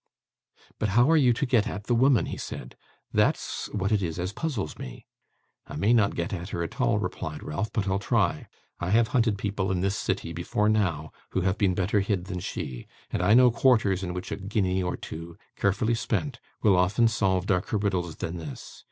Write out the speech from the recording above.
'But how are you to get at the woman?' he said; 'that's what it is as puzzles me.' 'I may not get at her at all,' replied Ralph, 'but I'll try. I have hunted people in this city, before now, who have been better hid than she; and I know quarters in which a guinea or two, carefully spent, will often solve darker riddles than this.